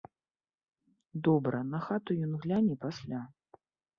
Добра, на хату ён гляне пасля.